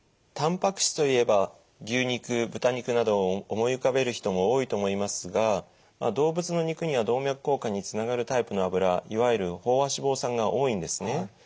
たんぱく質といえば牛肉豚肉などを思い浮かべる人が多いと思いますが動物の肉には動脈硬化につながるタイプの脂いわゆる飽和脂肪酸が多いんですね。